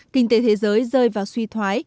kinh tế thế giới rơi vào suy thoái